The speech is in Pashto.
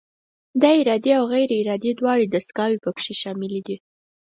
دا ارادي او غیر ارادي دواړه دستګاوې پکې شاملې دي.